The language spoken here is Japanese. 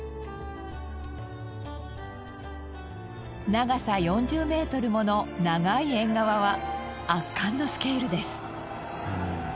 長さ４０メートルもの長い縁側は圧巻のスケールです。